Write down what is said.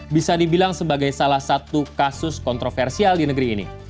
bisa dibilang sebagai salah satu kasus kontroversial di negeri ini